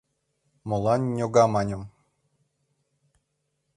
Молан «ньога» маньым?